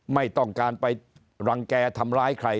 ไม่ต้องการไปรังแก่ทำร้ายใคร